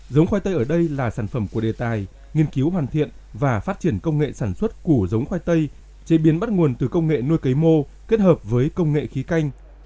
giống khoai tây ở đây là sản phẩm của đề tài nghiên cứu hoàn thiện và phát triển công nghệ sản xuất của giống khoai tây chế biến bắt nguồn từ công nghệ nuôi cấy mô kết hợp với công nghệ khí canh